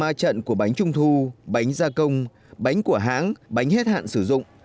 rơi vào ma trận của bánh trung thu bánh gia công bánh của hãng bánh hết hạn sử dụng